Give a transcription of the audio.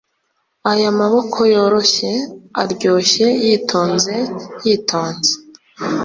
ayo maboko yoroshye, aryoshye yitonze yitonze